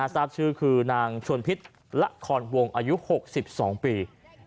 ทราบชื่อคือนางชวนพิษละครวงอายุ๖๒ปี